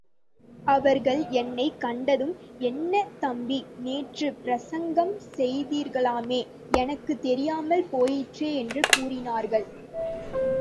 அவர்கள் என்னைக் கண்டதும் என்ன தம்பி, நேற்றுப் பிரசங்கம் செய்தீர்களாமே, எனக்குத் தெரியாமல் போயிற்றே என்று கூறினார்கள்.